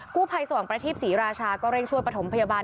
กู้ภัยสว่างประทีปศรีราชาก็เร่งช่วยประถมพยาบาล